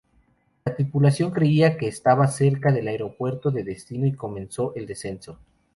La tripulación creía que estaban cerca del aeropuerto de destino y comenzó el descenso.